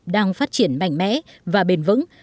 đang phát triển mạnh mẽ và bền vững